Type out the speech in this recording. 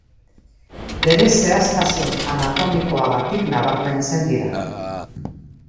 Bere zehaztasun anatomikoagatik nabarmentzen dira.